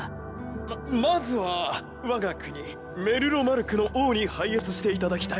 ままずは我が国メルロマルクの王に拝謁していただきたい。